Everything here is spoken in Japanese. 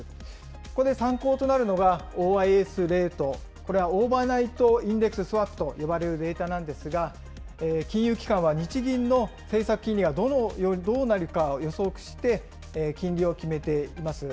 ここで参考となるのが、ＯＩＳレート、これはオーバーナイト・インデックス・スワップと呼ばれているんですが、金融機関は日銀の政策金利がどうなるかを予測して、金利を決めています。